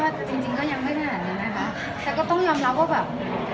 เดี๋ยวต้องยอมรับว่าแบบน่ะมากจริงหะมันแล้วไหม